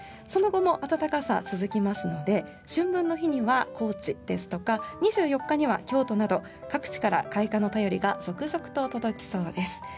その後も暖かさ、続きますので春分の日には高知ですとか２４日には京都など各地から開花の便りが続々と届きそうです。